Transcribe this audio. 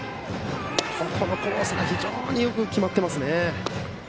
このコースがよく決まってますね。